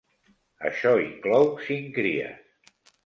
Això inclou cinc cries.